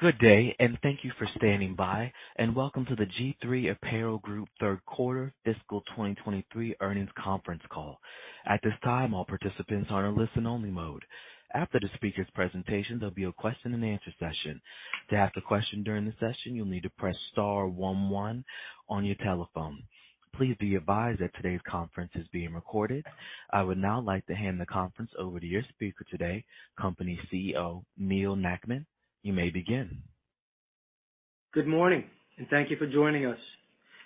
Good day, thank you for standing by, and welcome to the G-III Apparel Group Third Quarter Fiscal 2023 Earnings Conference Call. At this time, all participants are in listen only mode. After the speaker's presentation, there'll be a question-and-answer session. To ask a question during the session, you'll need to press star one one on your telephone. Please be advised that today's conference is being recorded. I would now like to hand the conference over to your speaker today, company CFO, Neal Nackman. You may begin. Good morning and thank you for joining us.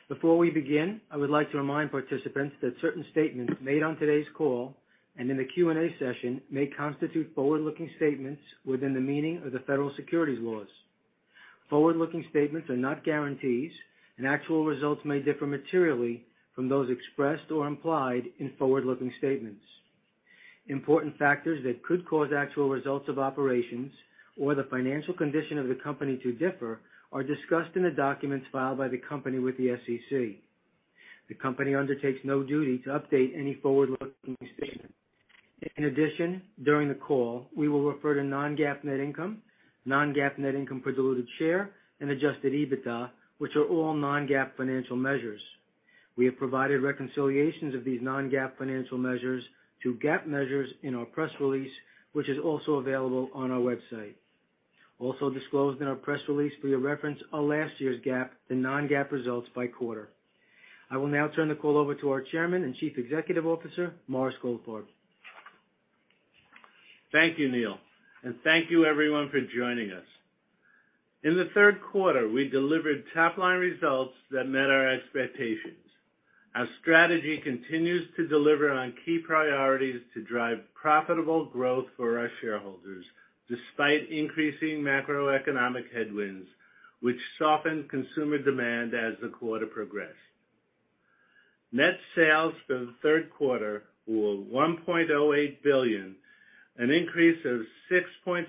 Before we begin, I would like to remind participants that certain statements made on today's call and in the Q&A session may constitute forward-looking statements within the meaning of the federal securities laws. Forward-looking statements are not guarantees. Actual results may differ materially from those expressed or implied in forward-looking statements. Important factors that could cause actual results of operations or the financial condition of the company to differ are discussed in the documents filed by the company with the SEC. The company undertakes no duty to update any forward-looking statements. In addition, during the call, we will refer to non-GAAP net income, non-GAAP net income per diluted share, and adjusted EBITDA, which are all non-GAAP financial measures. We have provided reconciliations of these non-GAAP financial measures to GAAP measures in our press release, which is also available on our website. Also disclosed in our press release for your reference are last year's GAAP and non-GAAP results by quarter. I will now turn the call over to our Chairman and Chief Executive Officer, Morris Goldfarb. Thank you, Neal. Thank you everyone for joining us. In the third quarter, we delivered top-line results that met our expectations. Our strategy continues to deliver on key priorities to drive profitable growth for our shareholders, despite increasing macroeconomic headwinds, which softened consumer demand as the quarter progressed. Net sales for the third quarter were $1.08 billion, an increase of 6.2%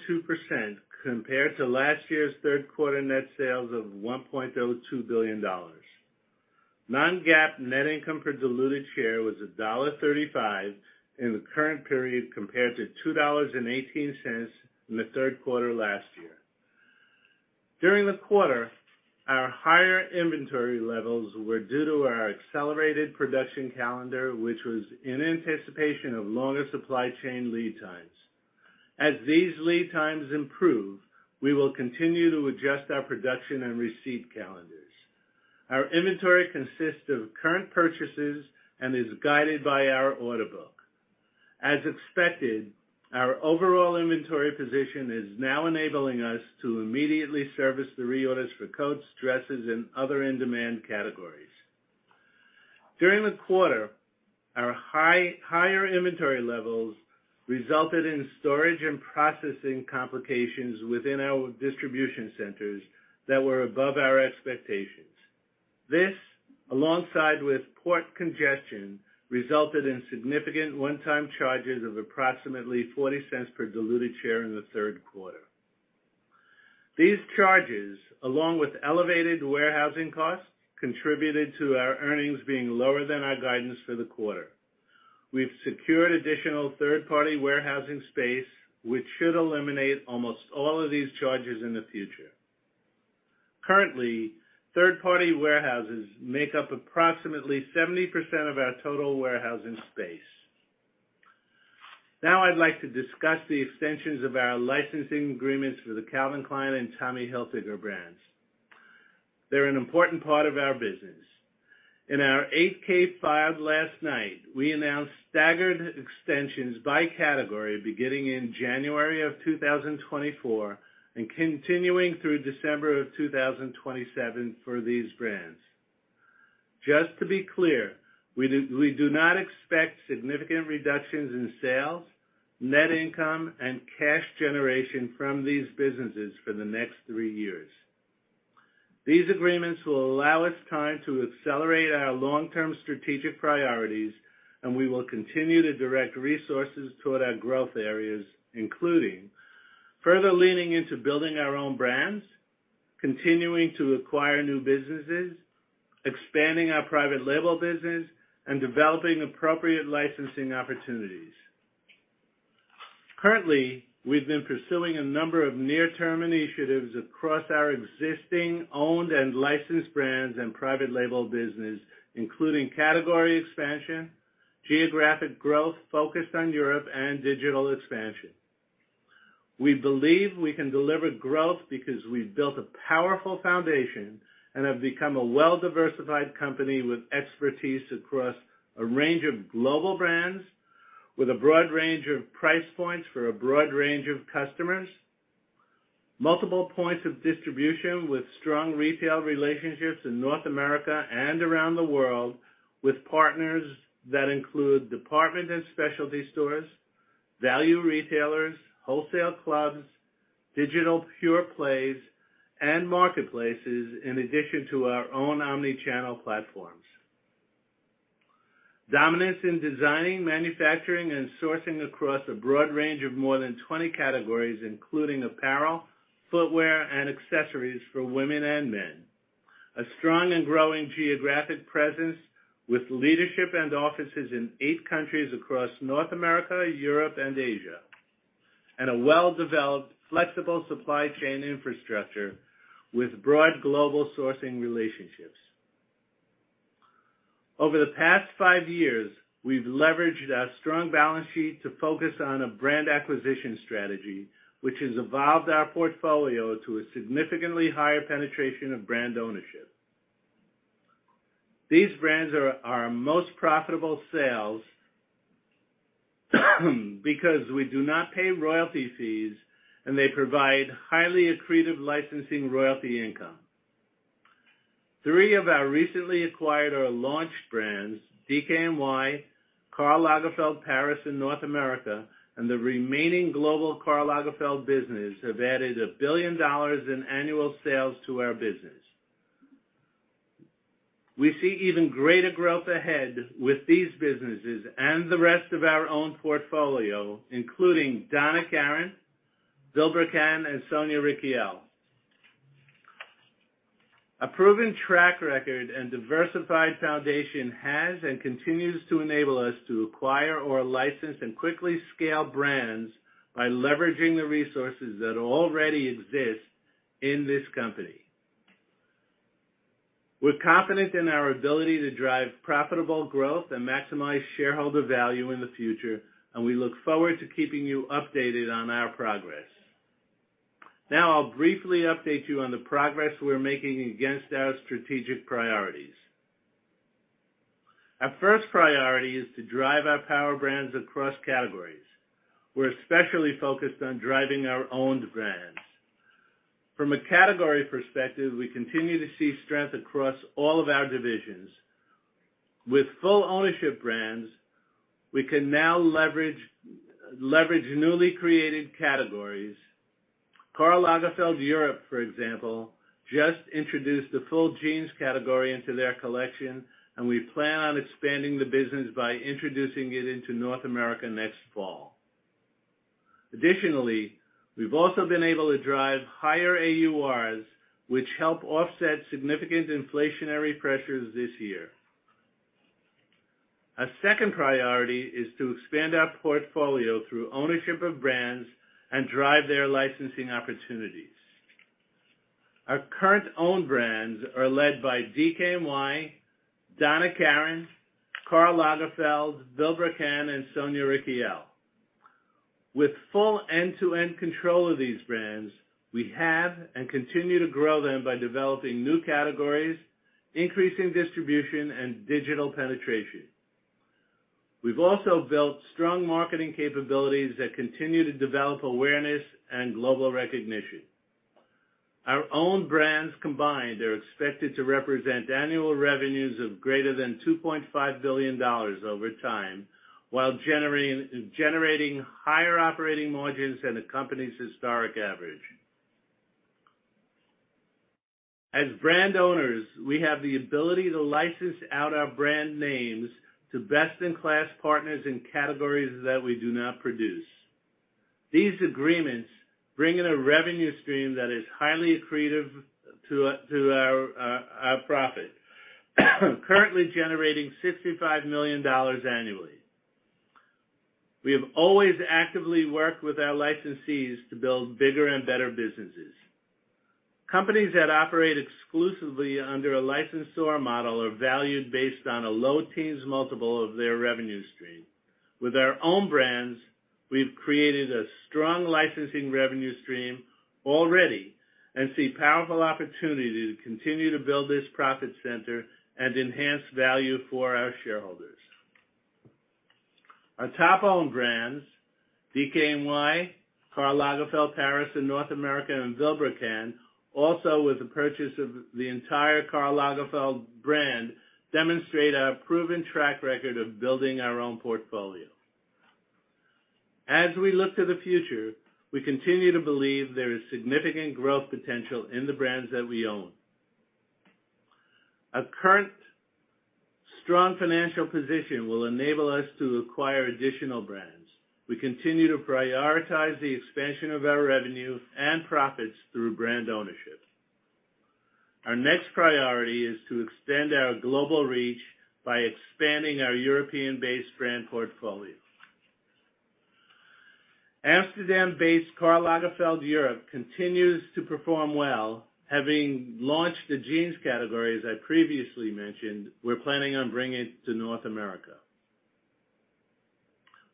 compared to last year's third quarter net sales of $1.02 billion. Non-GAAP net income per diluted share was $1.35 in the current period compared to $2.18 in the third quarter last year. During the quarter, our higher inventory levels were due to our accelerated production calendar, which was in anticipation of longer supply chain lead times. As these lead times improve, we will continue to adjust our production and receipt calendars. Our inventory consists of current purchases and is guided by our order book. As expected, our overall inventory position is now enabling us to immediately service the reorders for coats, dresses, and other in-demand categories. During the quarter, our higher inventory levels resulted in storage and processing complications within our distribution centers that were above our expectations. This, alongside with port congestion, resulted in significant one-time charges of approximately $0.40 per diluted share in the third quarter. These charges, along with elevated warehousing costs, contributed to our earnings being lower than our guidance for the quarter. We've secured additional third-party warehousing space, which should eliminate almost all of these charges in the future. Currently, third-party warehouses make up approximately 70% of our total warehousing space. Now I'd like to discuss the extensions of our licensing agreements for the Calvin Klein and Tommy Hilfiger brands. They're an important part of our business. In our 8-K file last night, we announced staggered extensions by category beginning in January of 2024 and continuing through December of 2027 for these brands. Just to be clear, we do not expect significant reductions in sales, net income, and cash generation from these businesses for the next three years. These agreements will allow us time to accelerate our long-term strategic priorities. We will continue to direct resources toward our growth areas, including further leaning into building our own brands, continuing to acquire new businesses, expanding our private label business and developing appropriate licensing opportunities. Currently, we've been pursuing a number of near-term initiatives across our existing owned and licensed brands and private label business, including category expansion, geographic growth focused on Europe, and digital expansion. We believe we can deliver growth because we've built a powerful foundation and have become a well-diversified company with expertise across a range of global brands, with a broad range of price points for a broad range of customers, multiple points of distribution with strong retail relationships in North America and around the world with partners that include department and specialty stores, value retailers, wholesale clubs, digital pure plays, and marketplaces in addition to our own omni-channel platforms. Dominance in designing, manufacturing, and sourcing across a broad range of more than 20 categories, including apparel, footwear, and accessories for women and men. A strong and growing geographic presence with leadership and offices in eight countries across North America, Europe, and Asia. A well-developed flexible supply chain infrastructure with broad global sourcing relationships. Over the past five years, we've leveraged our strong balance sheet to focus on a brand acquisition strategy, which has evolved our portfolio to a significantly higher penetration of brand ownership. These brands are our most profitable sales, because we do not pay royalty fees, and they provide highly accretive licensing royalty income. Three of our recently acquired or launched brands, DKNY, Karl Lagerfeld Paris and North America, and the remaining global Karl Lagerfeld business, have added $1 billion in annual sales to our business. We see even greater growth ahead with these businesses and the rest of our own portfolio, including Donna Karan, Vilebrequin, and Sonia Rykiel. A proven track record and diversified foundation has and continues to enable us to acquire or license and quickly scale brands by leveraging the resources that already exist in this company. We're confident in our ability to drive profitable growth and maximize shareholder value in the future. We look forward to keeping you updated on our progress. Now I'll briefly update you on the progress we're making against our strategic priorities. Our first priority is to drive our power brands across categories. We're especially focused on driving our own brands. From a category perspective, we continue to see strength across all of our divisions. With full ownership brands, we can now leverage newly created categories. Karl Lagerfeld Europe, for example, just introduced a full jeans category into their collection. We plan on expanding the business by introducing it into North America next fall. Additionally, we've also been able to drive higher AUR's, which help offset significant inflationary pressures this year. Our second priority is to expand our portfolio through ownership of brands and drive their licensing opportunities. Our current owned brands are led by DKNY, Donna Karan, Karl Lagerfeld, Vilebrequin, and Sonia Rykiel. With full end-to-end control of these brands, we have and continue to grow them by developing new categories, increasing distribution, and digital penetration. We've also built strong marketing capabilities that continue to develop awareness and global recognition. Our own brands combined are expected to represent annual revenues of greater than $2.5 billion over time, while generating higher operating margins than the company's historic average. As brand owners, we have the ability to license out our brand names to best-in-class partners in categories that we do not produce. These agreements bring in a revenue stream that is highly accretive to our profit. Currently generating $65 million annually. We have always actively worked with our licensees to build bigger and better businesses. Companies that operate exclusively under a licensed store model are valued based on a low teens multiple of their revenue stream. With our own brands, we've created a strong licensing revenue stream already and see powerful opportunity to continue to build this profit center and enhance value for our shareholders. Our top owned brands, DKNY, Karl Lagerfeld Paris and North America, and Vilebrequin, also with the purchase of the entire Karl Lagerfeld brand, demonstrate our proven track record of building our own portfolio. As we look to the future, we continue to believe there is significant growth potential in the brands that we own. Our current strong financial position will enable us to acquire additional brands. We continue to prioritize the expansion of our revenue and profits through brand ownership. Our next priority is to extend our global reach by expanding our European-based brand portfolio. Amsterdam-based Karl Lagerfeld Europe continues to perform well. Having launched the jeans category, as I previously mentioned, we're planning on bringing it to North America.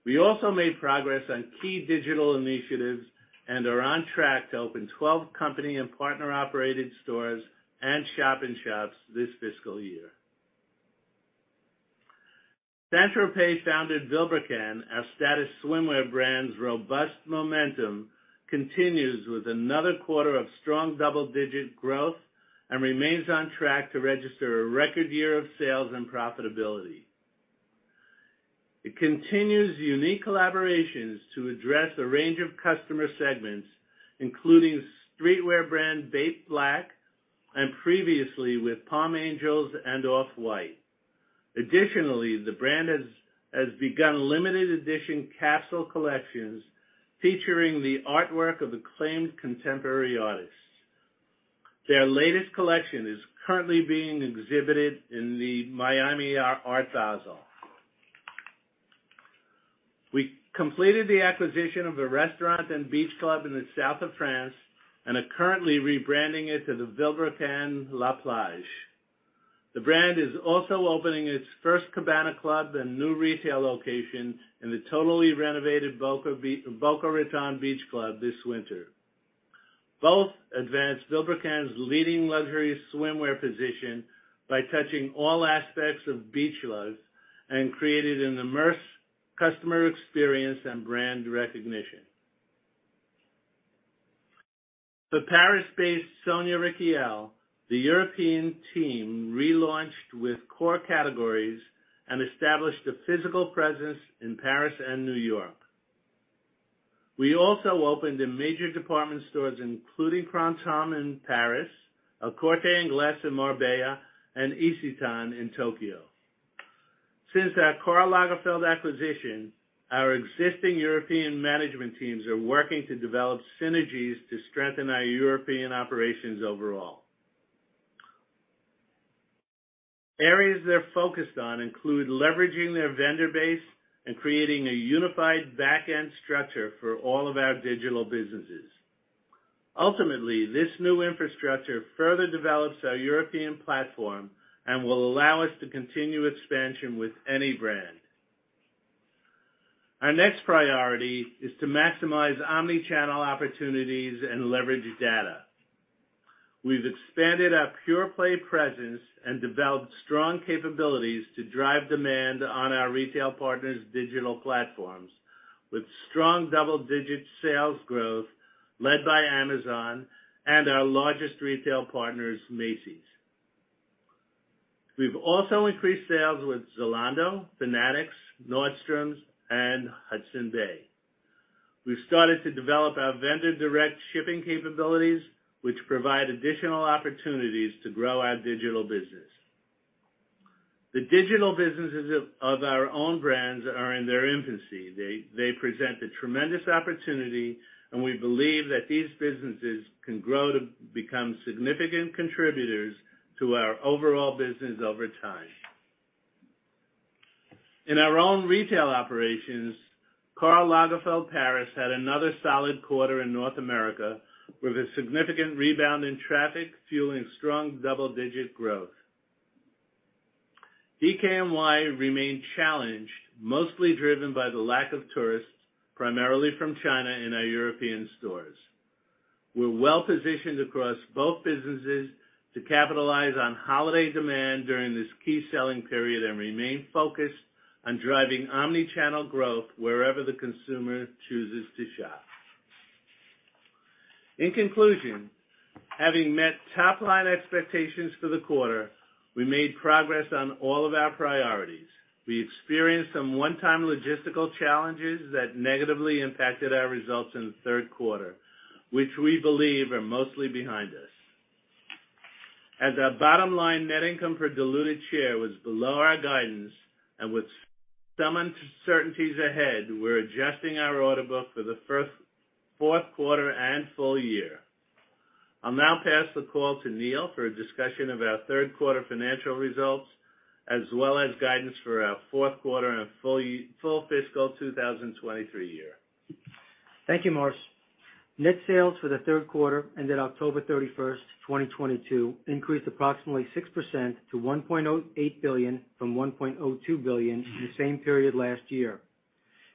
We also made progress on key digital initiatives and are on track to open 12 company and partner-operated stores and shop in shops this fiscal year. Saint-Tropez-founded Vilebrequin, our status swimwear brand's robust momentum continues with another quarter of strong double-digit growth and remains on track to register a record year of sales and profitability. It continues unique collaborations to address a range of customer segments, including streetwear brand BAPE Black and previously with Palm Angels and Off-White. Additionally, the brand has begun limited edition castle collections featuring the artwork of acclaimed contemporary artists. Their latest collection is currently being exhibited in the Miami Art Basel. We completed the acquisition of a restaurant and beach club in the south of France and are currently rebranding it to the Vilebrequin La Plage. The brand is also opening its first cabana club and new retail location in the totally renovated Boca Raton Beach Club this winter. Both advance Vilebrequin's leading luxury swimwear position by touching all aspects of beach life and creating an immersed customer experience and brand recognition. For Paris-based Sonia Rykiel, the European team relaunched with core categories and established a physical presence in Paris and New York. We also opened in major department stores, including Printemps in Paris, El Corte Inglés in Marbella, and Isetan in Tokyo. Since our Karl Lagerfeld acquisition, our existing European management teams are working to develop synergies to strengthen our European operations overall. Areas they're focused on include leveraging their vendor base and creating a unified backend structure for all of our digital businesses. Ultimately, this new infrastructure further develops our European platform and will allow us to continue expansion with any brand. Our next priority is to maximize omni-channel opportunities and leverage data. We've expanded our pure play presence and developed strong capabilities to drive demand on our retail partners' digital platforms, with strong double-digit sales growth led by Amazon and our largest retail partners, Macy's. We've also increased sales with Zalando, Fanatics, Nordstrom, and Hudson's Bay. We've started to develop our vendor direct shipping capabilities, which provide additional opportunities to grow our digital business. The digital businesses of our own brands are in their infancy. They present a tremendous opportunity, and we believe that these businesses can grow to become significant contributors to our overall business over time. In our own retail operations, Karl Lagerfeld Paris had another solid quarter in North America, with a significant rebound in traffic fueling strong double-digit growth. DKNY remained challenged, mostly driven by the lack of tourists, primarily from China and our European stores. We're well-positioned across both businesses to capitalize on holiday demand during this key selling period and remain focused on driving omni-channel growth wherever the consumer chooses to shop. In conclusion, having met top-line expectations for the quarter, we made progress on all of our priorities. We experienced some one-time logistical challenges that negatively impacted our results in the third quarter, which we believe are mostly behind us. As our bottom line net income per diluted share was below our guidance and with some uncertainties ahead, we're adjusting our order book for the fourth quarter and full year. I'll now pass the call to Neal for a discussion of our third quarter financial results, as well as guidance for our fourth quarter and full fiscal 2023 year. Thank you, Morris. Net sales for the third quarter ended October 31, 2022, increased approximately 6% to $1.8 billion from $1.02 billion in the same period last year.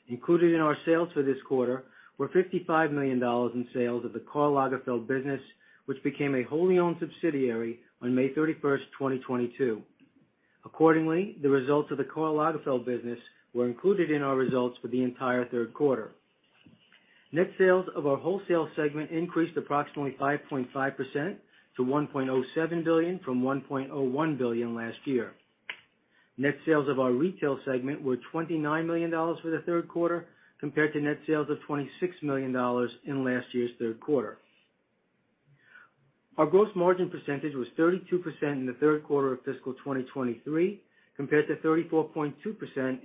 Included in our sales for this quarter were $55 million in sales of the Karl Lagerfeld business, which became a wholly-owned subsidiary on May 31, 2022. Accordingly, the results of the Karl Lagerfeld business were included in our results for the entire third quarter. Net sales of our wholesale segment increased approximately 5.5% to $1.07 billion from $1.01 billion last year. Net sales of our retail segment were $29 million for the third quarter, compared to net sales of $26 million in last year's third quarter. Our gross margin percentage was 32% in the third quarter of fiscal 2023, compared to 34.2%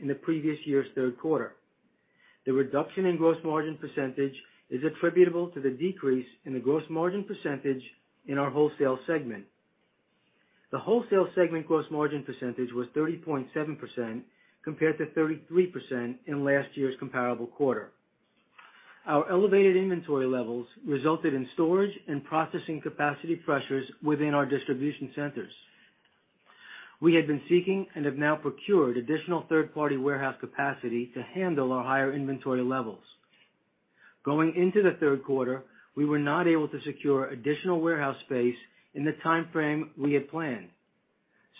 in the previous year's third quarter. The reduction in gross margin percentage is attributable to the decrease in the gross margin percentage in our wholesale segment. The wholesale segment gross margin percentage was 30.7% compared to 33% in last year's comparable quarter. Our elevated inventory levels resulted in storage and processing capacity pressures within our distribution centers. We had been seeking and have now procured additional third-party warehouse capacity to handle our higher inventory levels. Going into the third quarter, we were not able to secure additional warehouse space in the timeframe we had planned.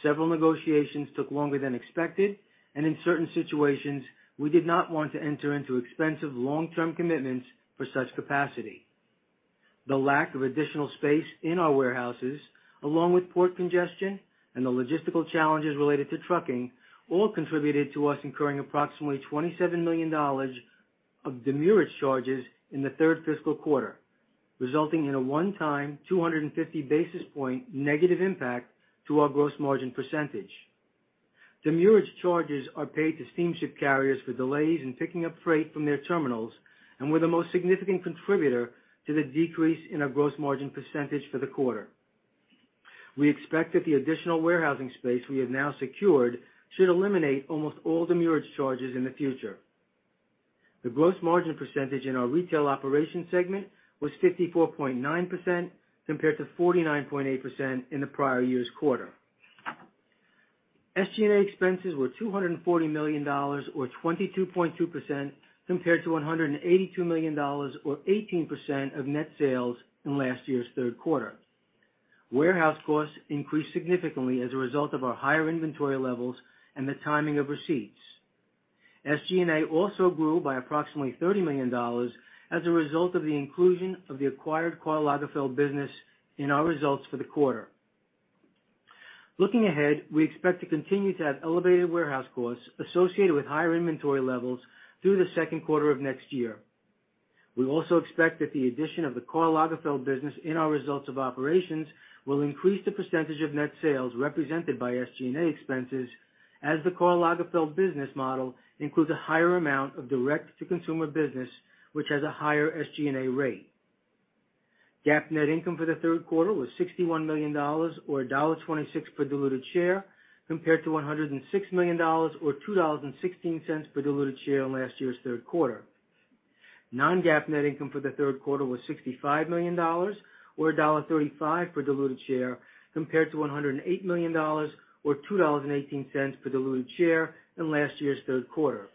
Several negotiations took longer than expected, and in certain situations, we did not want to enter into expensive long-term commitments for such capacity. The lack of additional space in our warehouses, along with port congestion and the logistical challenges related to trucking, all contributed to us incurring approximately $27 million of demurrage charges in the third fiscal quarter, resulting in a one-time 250 basis point negative impact to our gross margin percentage. Demurrage charges are paid to steamship carriers for delays in picking up freight from their terminals and were the most significant contributor to the decrease in our gross margin percentage for the quarter. We expect that the additional warehousing space we have now secured should eliminate almost all demurrage charges in the future. The gross margin percentage in our retail operations segment was 54.9%, compared to 49.8% in the prior year's quarter. SG&A expenses were $240 million, or 22.2%, compared to $182 million or 18% of net sales in last year's third quarter. Warehouse costs increased significantly as a result of our higher inventory levels and the timing of receipts. SG&A also grew by approximately $30 million as a result of the inclusion of the acquired Karl Lagerfeld business in our results for the quarter. Looking ahead, we expect to continue to have elevated warehouse costs associated with higher inventory levels through the second quarter of next year. We also expect that the addition of the Karl Lagerfeld business in our results of operations will increase the percentage of net sales represented by SG&A expenses, as the Karl Lagerfeld business model includes a higher amount of direct-to-consumer business, which has a higher SG&A rate. GAAP net income for the third quarter was $61 million, or $1.26 per diluted share, compared to $106 million or $2.16 per diluted share in last year's third quarter. Non-GAAP net income for the third quarter was $65 million or $1.35 per diluted share, compared to $108 million or $2.18 per diluted share in last year's third quarter.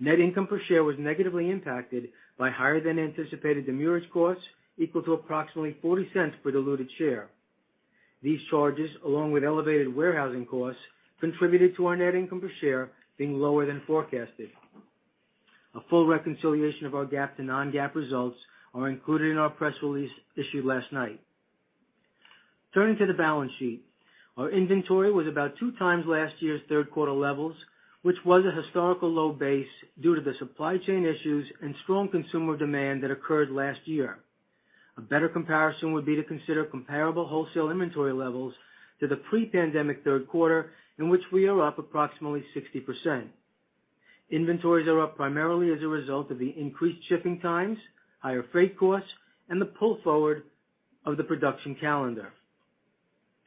Net income per share was negatively impacted by higher than anticipated demurrage costs equal to approximately $0.40 per diluted share. These charges, along with elevated warehousing costs, contributed to our net income per share being lower than forecasted. A full reconciliation of our GAAP to non-GAAP results are included in our press release issued last night. Turning to the balance sheet. Our inventory was about 2x last year's third quarter levels, which was a historical low base due to the supply chain issues and strong consumer demand that occurred last year. A better comparison would be to consider comparable wholesale inventory levels to the pre-pandemic third quarter, in which we are up approximately 60%. Inventories are up primarily as a result of the increased shipping times, higher freight costs, and the pull forward of the production calendar.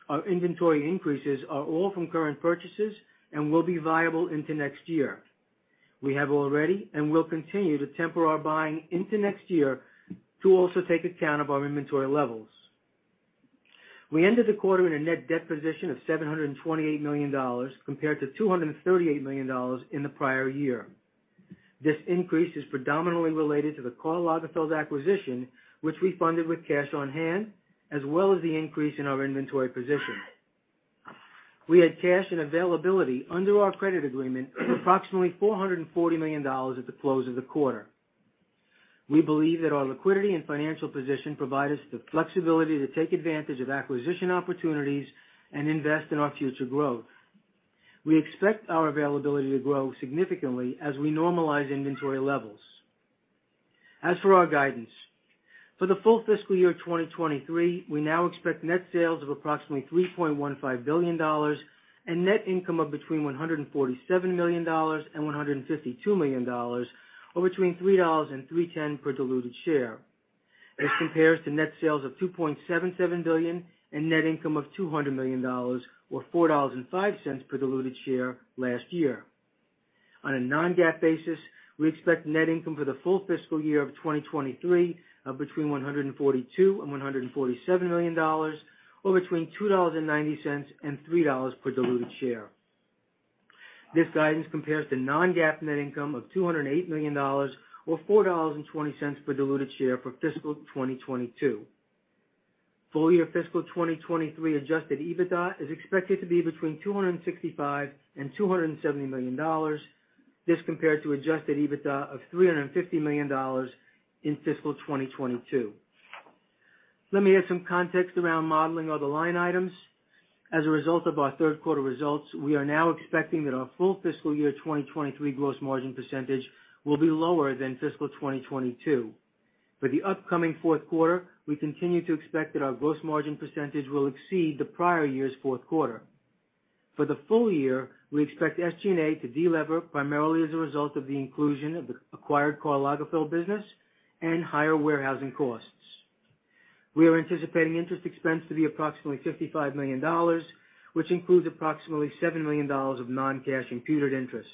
Our inventory increases are all from current purchases and will be viable into next year. We have already and will continue to temper our buying into next year to also take account of our inventory levels. We ended the quarter in a net debt position of $728 million, compared to $238 million in the prior year. This increase is predominantly related to the Karl Lagerfeld acquisition, which we funded with cash on hand, as well as the increase in our inventory position. We had cash and availability under our credit agreement of approximately $440 million at the close of the quarter. We believe that our liquidity and financial position provide us the flexibility to take advantage of acquisition opportunities and invest in our future growth. We expect our availability to grow significantly as we normalize inventory levels. As for our guidance. For the full fiscal year of 2023, we now expect net sales of approximately $3.15 billion and net income of between $147 million and $152 million, or between $3 and $3.10 per diluted share. This compares to net sales of $2.77 billion and net income of $200 million or $4.05 per diluted share last year. On a non-GAAP basis, we expect net income for the full fiscal year of 2023 of between $142 million and $147 million or between $2.90 and $3 per diluted share. This guidance compares to non-GAAP net income of $208 million or $4.20 per diluted share for fiscal 2022. Full year fiscal 2023 adjusted EBITDA is expected to be between $265 million and $270 million. This compared to adjusted EBITDA of $350 million in fiscal 2022. Let me add some context around modeling other line items. As a result of our third quarter results, we are now expecting that our full fiscal year 2023 gross margin percentage will be lower than fiscal 2022. For the upcoming fourth quarter, we continue to expect that our gross margin percentage will exceed the prior year's fourth quarter. For the full year, we expect SG&A to delever, primarily as a result of the inclusion of the acquired Karl Lagerfeld business and higher warehousing costs. We are anticipating interest expense to be approximately $55 million, which includes approximately $7 million of non-cash imputed interest.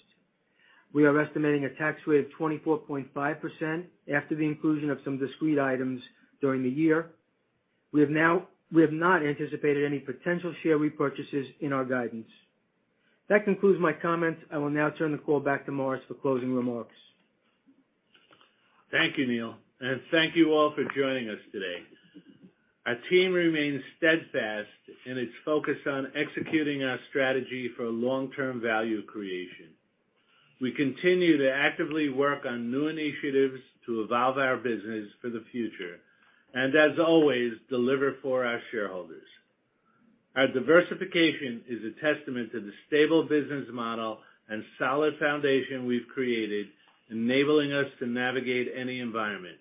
We are estimating a tax rate of 24.5% after the inclusion of some discrete items during the year. We have not anticipated any potential share repurchases in our guidance. That concludes my comments. I will now turn the call back to Morris for closing remarks. Thank you, Neal, and thank you all for joining us today. Our team remains steadfast in its focus on executing our strategy for long-term value creation. We continue to actively work on new initiatives to evolve our business for the future and as always, deliver for our shareholders. Our diversification is a testament to the stable business model and solid foundation we've created, enabling us to navigate any environment.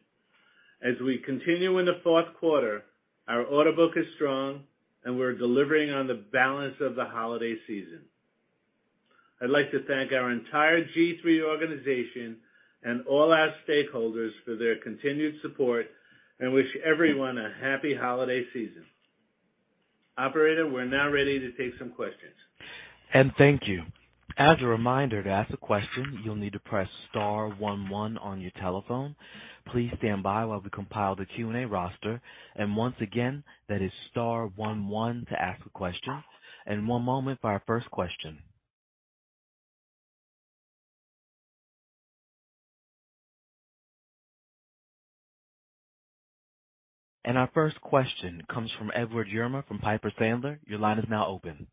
As we continue in the fourth quarter, our order book is strong, and we're delivering on the balance of the holiday season. I'd like to thank our entire G-III organization and all our stakeholders for their continued support, and wish everyone a happy holiday season. Operator, we're now ready to take some questions. Thank you. As a reminder, to ask a question, you'll need to press star one one on your telephone. Please stand by while we compile the Q&A roster. Once again, that is star one one to ask a question. One moment for our first question. Our first question comes from Edward Yruma from Piper Sandler. Your line is now open.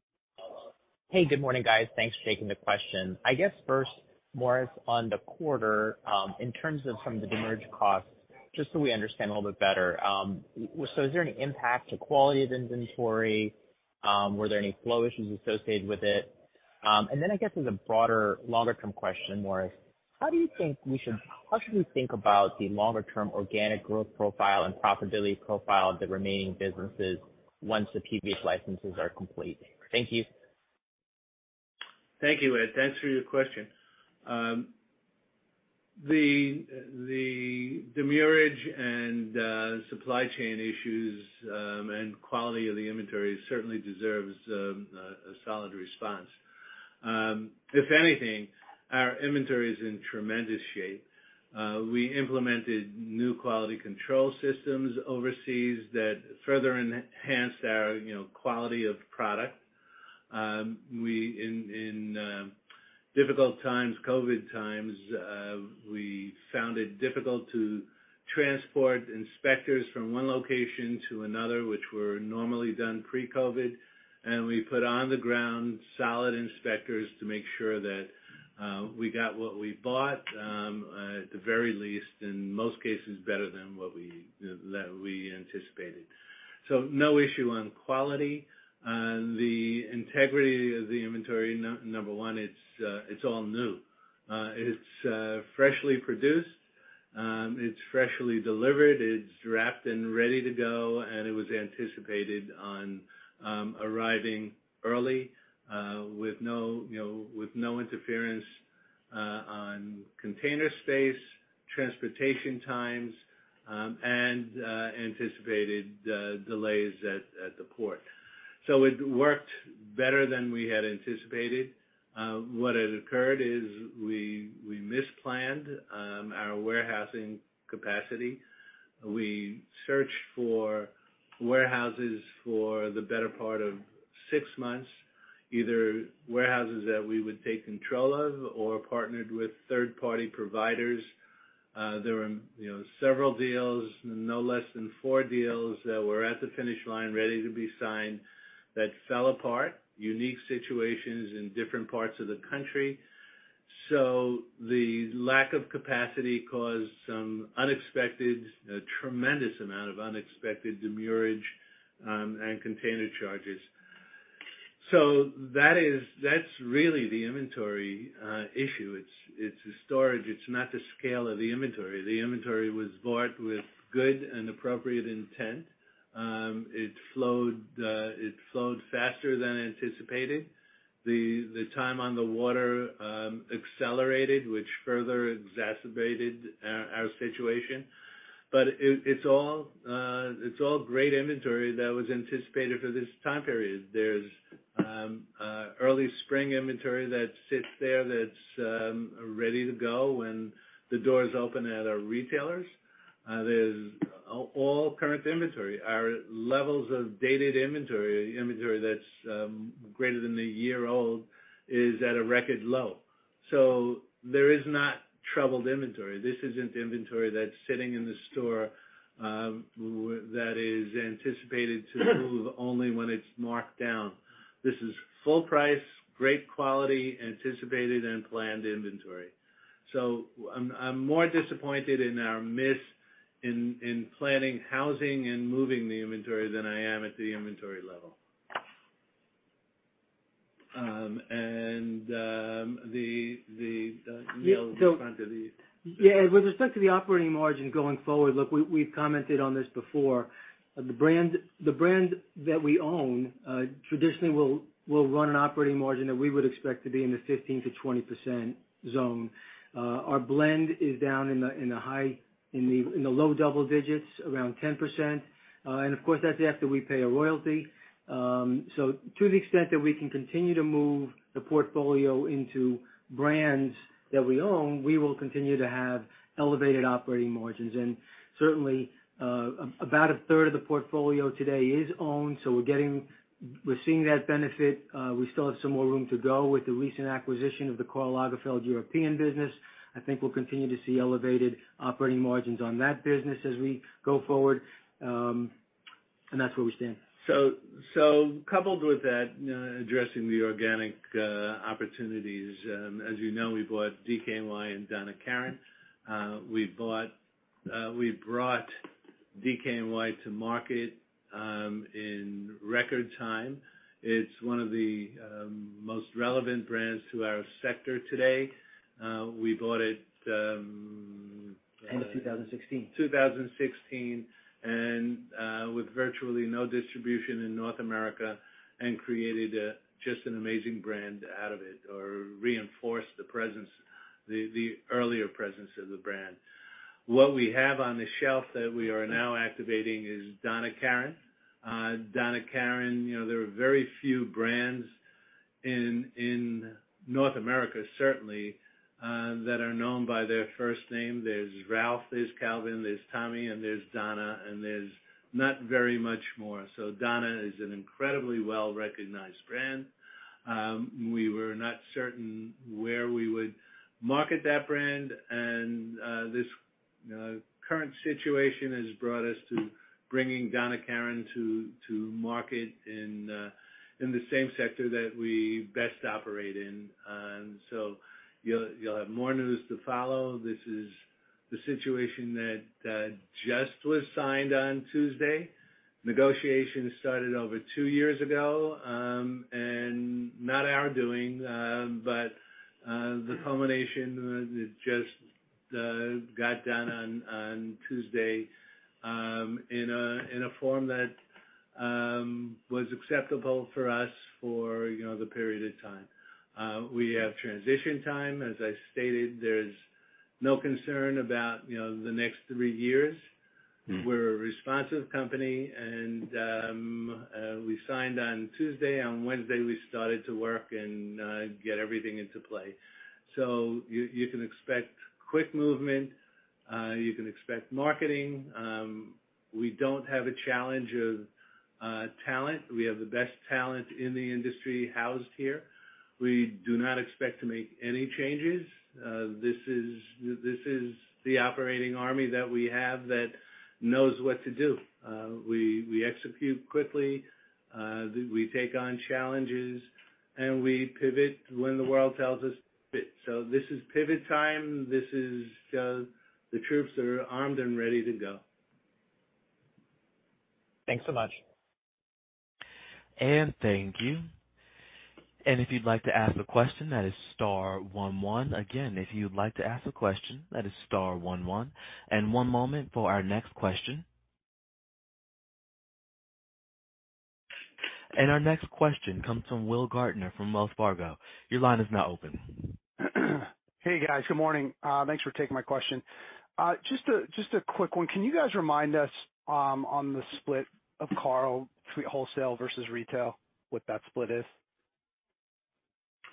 Hey, good morning, guys. Thanks for taking the question. I guess first, Morris, on the quarter, in terms of some of the demurrage costs, just so we understand a little bit better. Is there any impact to quality of inventory? Were there any flow issues associated with it? Then I guess as a broader, longer term question, Morris, how should we think about the longer term organic growth profile and profitability profile of the remaining businesses once the PVH licenses are complete? Thank you. Thank you, Ed. Thanks for your question. The demurrage and supply chain issues and quality of the inventory certainly deserves a solid response. If anything, our inventory is in tremendous shape. We implemented new quality control systems overseas that further enhance our, you know, quality of product. We in difficult times, COVID times, we found it difficult to transport inspectors from one location to another, which were normally done pre-COVID. We put on the ground solid inspectors to make sure that we got what we bought, at the very least, in most cases, better than what we, that we anticipated. No issue on quality. The integrity of the inventory, number one, it's all new. It's freshly produced. It's freshly delivered. It's wrapped and ready to go, and it was anticipated on arriving early with no, you know, with no interference on container space, transportation times, and anticipated delays at the port. It worked better than we had anticipated. What had occurred is we misplanned our warehousing capacity. We searched for warehouses for the better part of six months, either warehouses that we would take control of or partnered with third-party providers. There were, you know, several deals, no less than four deals that were at the finish line ready to be signed that fell apart, unique situations in different parts of the country. The lack of capacity caused some unexpected, a tremendous amount of unexpected demurrage and container charges. That's really the inventory issue. It's the storage, it's not the scale of the inventory. The inventory was bought with good and appropriate intent. It flowed faster than anticipated. The time on the water accelerated, which further exacerbated our situation. It's all great inventory that was anticipated for this time period. There's early spring inventory that sits there that's ready to go when the doors open at our retailers. There's all current inventory. Our levels of dated inventory that's greater than a year old, is at a record low. There is not troubled inventory. This isn't inventory that's sitting in the store, that is anticipated to move only when it's marked down. This is full price, great quality, anticipated and planned inventory. I'm more disappointed in our miss in planning housing and moving the inventory than I am at the inventory level. Then Neal will comment on. Yeah. With respect to the operating margin going forward, look, we've commented on this before. The brand that we own, traditionally will run an operating margin that we would expect to be in the 15% to 20% zone. Our blend is down in the low double digits, around 10%. Of course, that's after we pay a royalty. To the extent that we can continue to move the portfolio into brands that we own, we will continue to have elevated operating margins. Certainly, about a third of the portfolio today is owned, so we're seeing that benefit. We still have some more room to go with the recent acquisition of the Karl Lagerfeld European business. I think we'll continue to see elevated operating margins on that business as we go forward. That's where we stand. Coupled with that, addressing the organic opportunities, as you know, we bought DKNY and Donna Karan. We brought DKNY to market in record time. It's one of the most relevant brands to our sector today. We bought it. End of 2016. 2016, with virtually no distribution in North America and created a just an amazing brand out of it or reinforced the presence, the earlier presence of the brand. What we have on the shelf that we are now activating is Donna Karan. Donna Karan, you know, there are very few brands in North America, certainly, that are known by their first name. There's Ralph, there's Calvin, there's Tommy, and there's Donna, and there's not very much more. Donna is an incredibly well-recognized brand. We were not certain where we would market that brand. This, you know, current situation has brought us to bringing Donna Karan to market in the same sector that we best operate in. You'll have more news to follow. This is the situation that just was signed on Tuesday. Negotiations started over two years ago, and not our doing, but the culmination just got done on Tuesday, in a in a form that was acceptable for us for, you know, the period of time. We have transition time. As I stated, there's no concern about, you know, the next three years. We're a responsive company and we signed on Tuesday. On Wednesday, we started to work and get everything into play. You can expect quick movement. You can expect marketing. We don't have a challenge of talent. We have the best talent in the industry housed here. We do not expect to make any changes. This is the operating army that we have that knows what to do. We execute quickly. We take on challenges, and we pivot when the world tells us to pivot. This is pivot time. This is the troops are armed and ready to go. Thanks so much. Thank you. If you'd like to ask a question that is star one one. Again, if you'd like to ask a question that is star one one. One moment for our next question. Our next question comes from Will Gaertner from Wells Fargo. Your line is now open. Hey, guys. Good morning. Thanks for taking my question. Just a quick one. Can you guys remind us, on the split of Karl between wholesale versus retail, what that split is?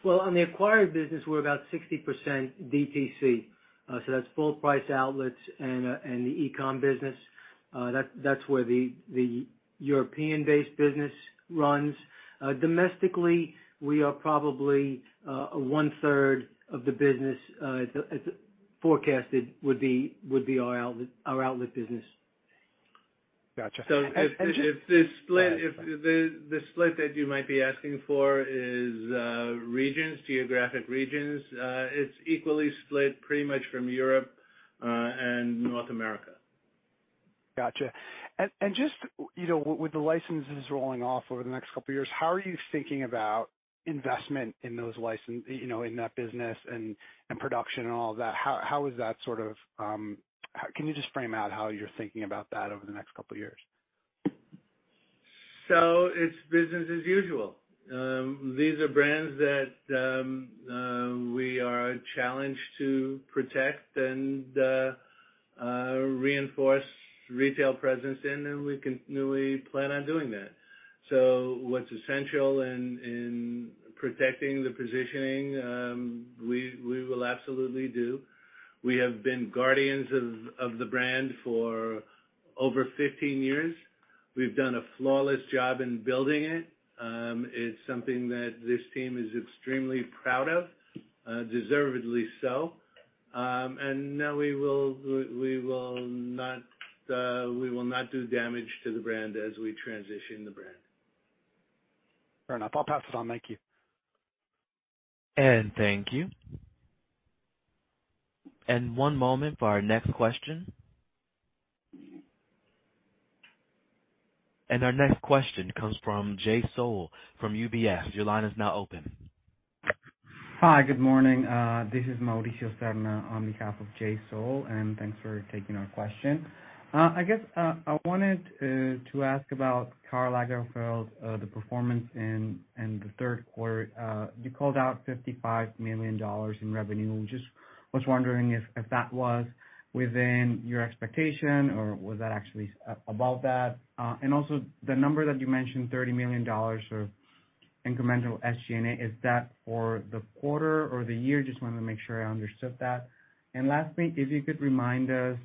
Well, on the acquired business, we're about 60% DTC, so that's full price outlets and the e-com business. That's where the European-based business runs. Domestically, we are probably one-third of the business, as forecasted would be our outlet business. Gotcha. If the split that you might be asking for is regions, geographic regions, it's equally split pretty much from Europe and North America. Gotcha. Just, you know, with the licenses rolling off over the next couple of years, how are you thinking about investment in those you know, in that business and production and all of that? How is that sort of, can you just frame out how you're thinking about that over the next couple of years? It's business as usual. These are brands that we are challenged to protect and reinforce retail presence in, and we continually plan on doing that. What's essential in protecting the positioning, we will absolutely do. We have been guardians of the brand for over 15 years. We've done a flawless job in building it. It's something that this team is extremely proud of, deservedly so. No, we will not do damage to the brand as we transition the brand. Fair enough. I'll pass it on. Thank you. Thank you. One moment for our next question. Our next question comes from Jay Sole from UBS. Your line is now open. Hi, good morning. This is Mauricio Serna on behalf of Jay Sole, thanks for taking our question. I guess, I wanted to ask about Karl Lagerfeld, the performance in the third quarter. You called out $55 million in revenue. Just was wondering if that was within your expectation or was that actually above that? Also the number that you mentioned, $30 million of incremental SG&A, is that for the quarter or the year? Just wanted to make sure I understood that. Lastly, if you could remind us,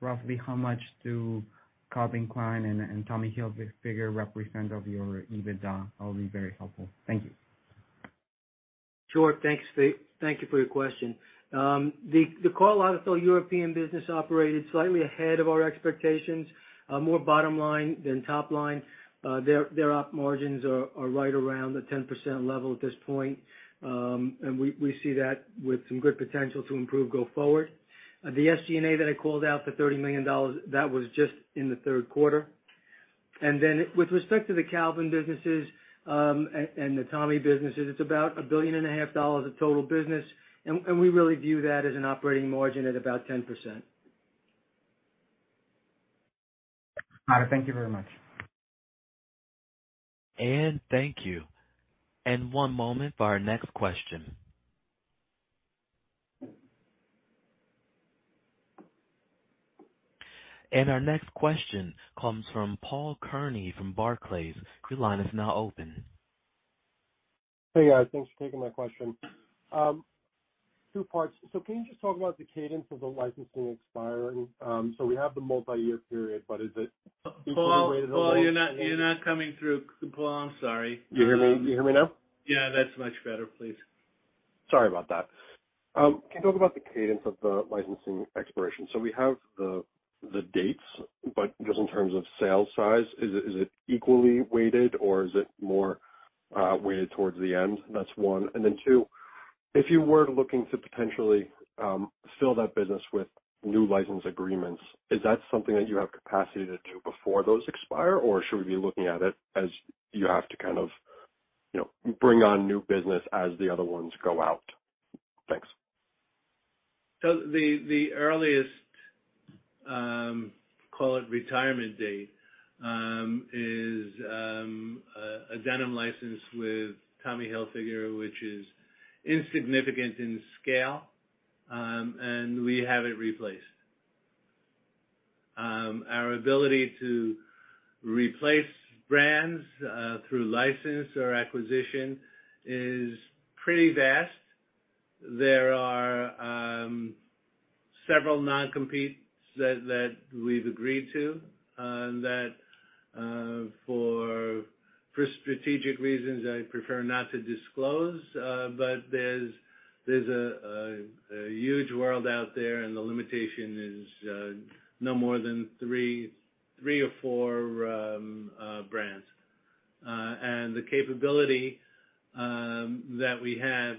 roughly how much do Calvin Klein and Tommy Hilfiger represent of your EBITDA, that'll be very helpful. Thank you. Sure. Thanks, thank you for your question. The Karl Lagerfeld European business operated slightly ahead of our expectations, more bottom line than top line. Their op margins are right around the 10% level at this point. We see that with some good potential to improve go forward. The SG&A that I called out, the $30 million, that was just in the third quarter. With respect to the Calvin businesses, and the Tommy businesses, it's about $1.5 billion of total business. We really view that as an operating margin at about 10%. All right. Thank you very much. Thank you. One moment for our next question. Our next question comes from Paul Kearney from Barclays. Your line is now open. Hey, guys. Thanks for taking my question. Two parts. Can you just talk about the cadence of the licensing expiring? We have the multi-year period, but Paul, you're not coming through, Paul. I'm sorry. You hear me, you hear me now? Yeah. That's much better, please. Sorry about that. Can you talk about the cadence of the licensing expiration? We have the dates, but just in terms of sales size, is it equally weighted or is it more weighted towards the end? That's one. Then two, if you were looking to potentially fill that business with new license agreements, is that something that you have capacity to do before those expire? Or should we be looking at it as you have to kind of, you know, bring on new business as the other ones go out? Thanks. The earliest, call it retirement date, is a denim license with Tommy Hilfiger, which is insignificant in scale, and we have it replaced. Our ability to replace brands through license or acquisition is pretty vast. There are several non-competes that we've agreed to, that for strategic reasons I prefer not to disclose. There's a huge world out there, and the limitation is no more than three or four brands. The capability that we have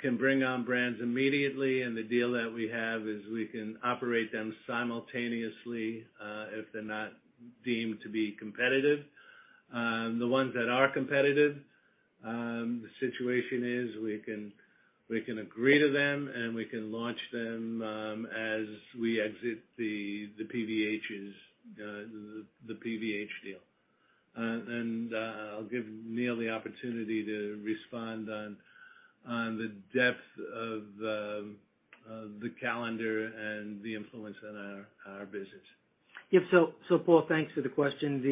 can bring on brands immediately. The deal that we have is we can operate them simultaneously if they're not deemed to be competitive. The ones that are competitive, the situation is we can agree to them, and we can launch them as we exit the PVH deal. I'll give Neal the opportunity to respond on the depth of the calendar and the influence on our business. Yeah. So Paul, thanks for the question.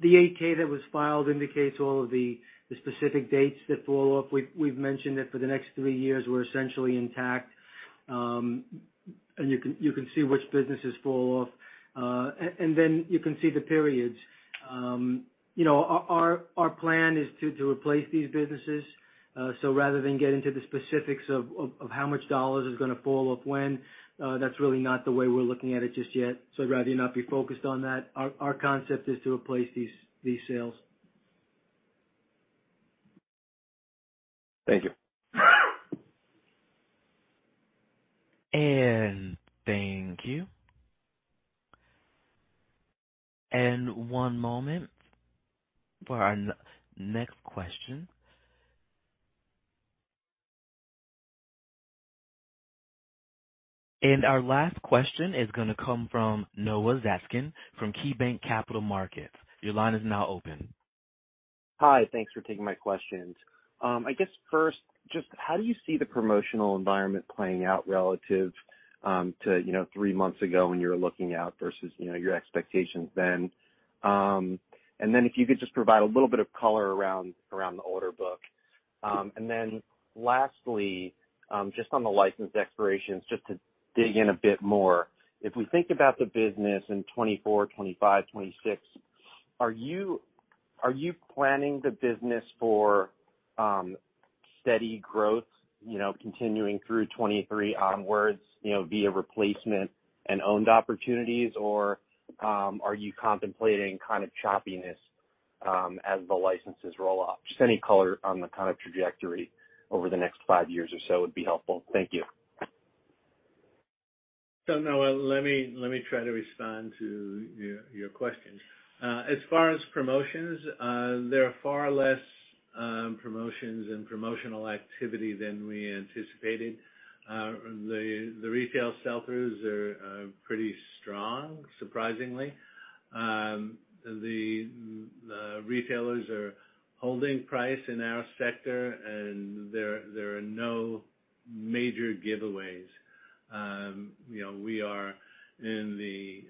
The 8-K that was filed indicates all of the specific dates that fall off. We've mentioned that for the next three years we're essentially intact. You can see which businesses fall off. Then you can see the periods. You know, our plan is to replace these businesses. Rather than get into the specifics of how much dollars is gonna fall off when, that's really not the way we're looking at it just yet. I'd rather not be focused on that. Our concept is to replace these sales. Thank you. Thank you. One moment for our next question. Our last question is going to come from Noah Zatzkin from KeyBanc Capital Markets. Your line is now open. Hi. Thanks for taking my questions. I guess first, just how do you see the promotional environment playing out relative to, you know, three months ago when you were looking out versus, you know, your expectations then? If you could just provide a little bit of color around the order book. Lastly, just on the license expirations, just to dig in a bit more. If we think about the business in 2024, 2025, 2026, are you planning the business for steady growth, you know, continuing through 2023 onwards, you know, via replacement and owned opportunities? Are you contemplating kind of choppiness as the licenses roll off? Just any color on the kind of trajectory over the next five years or so would be helpful. Thank you. Noah, let me try to respond to your questions. As far as promotions, there are far less promotions and promotional activity than we anticipated. The retail sell-throughs are pretty strong, surprisingly. The retailers are holding price in our sector, and there are no major giveaways. You know, we are in the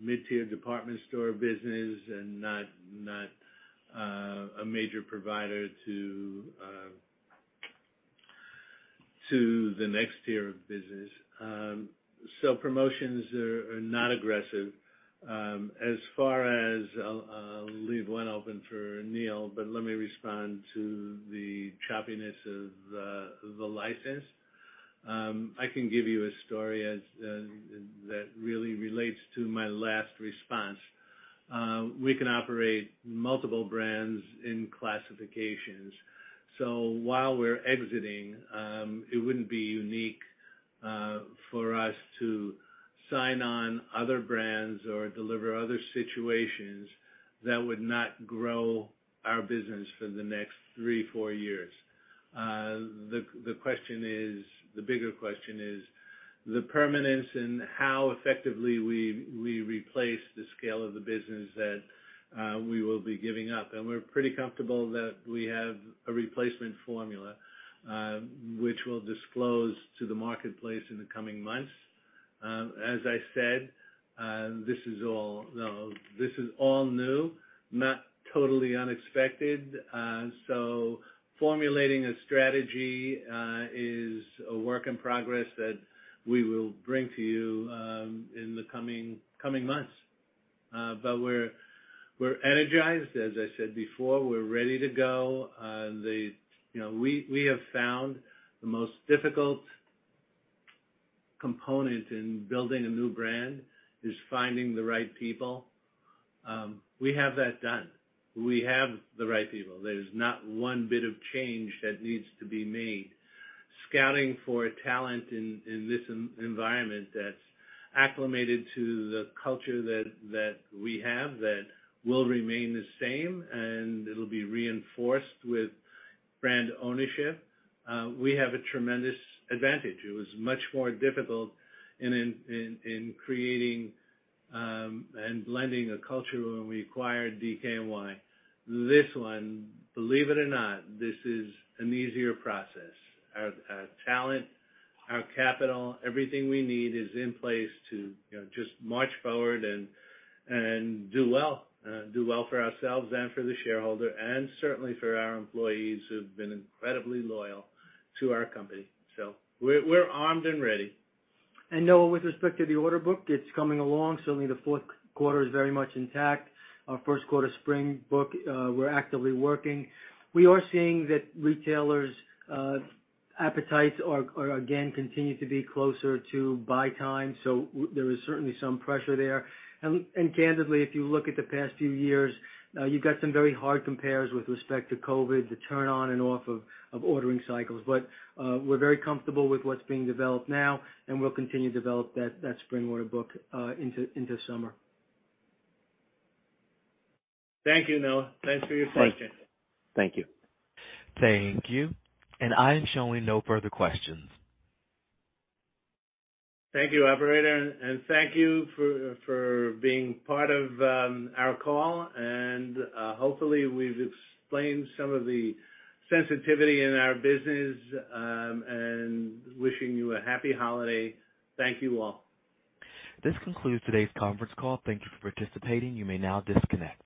mid-tier department store business and not a major provider to the next tier of business. Promotions are not aggressive. As far as I'll leave one open for Neal, but let me respond to the choppiness of the license. I can give you a story as that really relates to my last response. We can operate multiple brands in classifications. While we're exiting, it wouldn't be unique for us to sign on other brands or deliver other situations that would not grow our business for the next three, four years. The bigger question is the permanence in how effectively we replace the scale of the business that we will be giving up. We're pretty comfortable that we have a replacement formula, which we'll disclose to the marketplace in the coming months. As I said, this is all new, not totally unexpected. Formulating a strategy is a work in progress that we will bring to you in the coming months. We're energized, as I said before. We're ready to go. You know, we have found the most difficult component in building a new brand is finding the right people. We have that done. We have the right people. There's not one bit of change that needs to be made. Scouting for talent in this environment that's acclimated to the culture that we have, that will remain the same, and it'll be reinforced with brand ownership, we have a tremendous advantage. It was much more difficult in creating and blending a culture when we acquired DKNY. This one, believe it or not, this is an easier process. Our talent, our capital, everything we need is in place to, you know, just march forward and do well, do well for ourselves and for the shareholder, and certainly for our employees who've been incredibly loyal to our company. We're armed and ready. Noah, with respect to the order book, it's coming along. Certainly, the fourth quarter is very much intact. Our first quarter spring book, we're actively working. We are seeing that retailers' appetites are again continue to be closer to buy times, so there is certainly some pressure there. Candidly, if you look at the past few years, you've got some very hard compares with respect to COVID, the turn on and off of ordering cycles. We're very comfortable with what's being developed now, and we'll continue to develop that spring order book into summer. Thank you, Noah. Thanks for your question. Thank you. Thank you. I'm showing no further questions. Thank you, operator. Thank you for being part of our call and hopefully we've explained some of the sensitivity in our business and wishing you a happy holiday. Thank you, all. This concludes today's conference call. Thank you for participating. You may now disconnect.